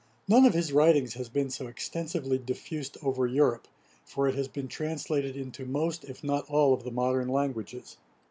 None of his writings has been so extensively diffused over Europe; for it has been translated into most, if not all, of the modern languages.